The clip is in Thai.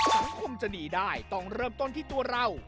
สังคมจะดีได้ต้องเริ่มต้นที่ตัวเรา